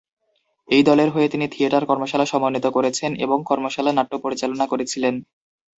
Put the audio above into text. এই দলের হয়ে তিনি থিয়েটার কর্মশালা সমন্বিত করেছেন এবং কর্মশালা নাট্য পরিচালনা করেছিলেন।